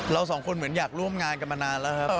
สองคนเหมือนอยากร่วมงานกันมานานแล้วครับ